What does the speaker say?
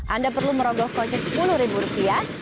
anda perlu merogoh konjek sepuluh rupiah